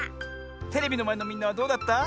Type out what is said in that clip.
テレビのまえのみんなはどうだった？